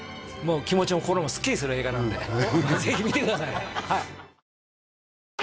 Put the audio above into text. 気持ちも心もスッキリする映画なのでぜひ見てください